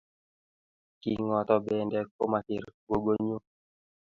Kingotobende komaker gogonyu